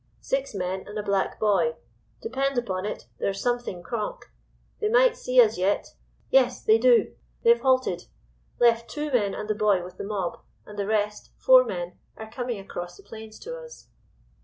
Six men and a black boy. Depend upon it, there's something "cronk." They might see us yet. Yes, they do! They've halted. Left two men and the boy with the mob, and the rest, four men, are coming across the plains to us.